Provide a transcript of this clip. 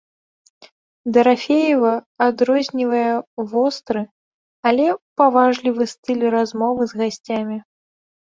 Дарафеева адрознівае востры, але паважлівы стыль размовы з гасцямі.